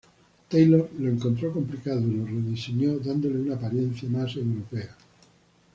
Taylor lo encontró complicado y lo rediseñó dándole una apariencia más europea.